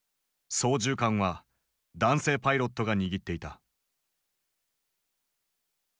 操縦桿は男性パイロットが握っていた。